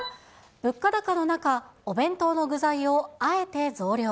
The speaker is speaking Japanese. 物価高の中、お弁当の具材をあえて増量。